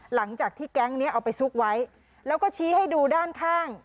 หลังจากที่แก๊งนี้เอาไปซุกไว้แล้วก็ชี้ให้ดูด้านข้าง